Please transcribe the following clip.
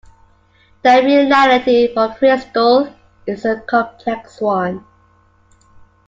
That reality, for Kristol, is a complex one.